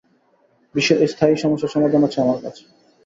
বিশ্বের এই স্থায়ী সমস্যার, সমাধান আছে আমার কাছে।